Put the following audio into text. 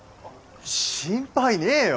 心配ねえよ。